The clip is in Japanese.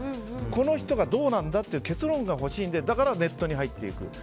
この人がどうなんだという結論が欲しいのでだからネットに入っていく。